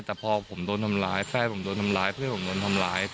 แต่พอผมโดนทำร้ายแฟนผมโดนทำร้าย